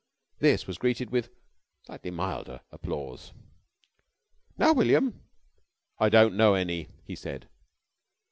This was greeted with slightly milder applause. "Now, William!" "I don't know any," he said.